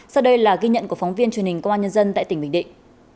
sau đây là ghi nhận của phóng viên truyền hình công an nhân dân tại tỉnh bình định